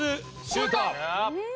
シュート！